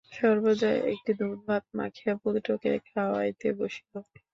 সর্বজয়া একবাটি দুধ-ভাত মাখিয়া পুত্রকে খাওয়াইতে বসিল।